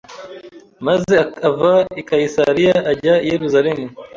maze ava i Kayisariya ajya i Yerusalemu